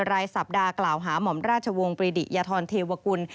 รายสัปดาห์กล่าวหาหม่อมราชวงศ์ปริดิยธรเทวกุล